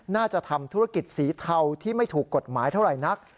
น่าจะทำธุรกิจสีเทาที่ไม่ถูกกฎหมายเท่าไหร่นัก